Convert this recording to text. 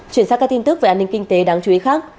chuyển sang các tin tức về an ninh kinh tế đáng chú ý khác